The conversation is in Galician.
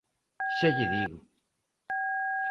Xa lle digo...